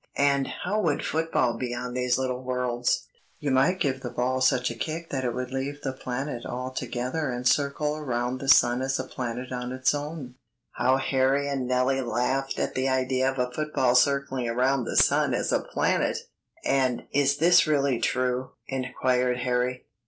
And how would football be on these little worlds?" "You might give the ball such a kick that it would leave the planet altogether and circle around the sun as a planet on its own account." How Harry and Nellie laughed at the idea of a football circling around the sun as a planet! "And is this really true?" inquired Harry.